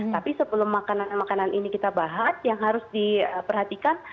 tapi sebelum makanan makanan ini kita bahas yang harus diperhatikan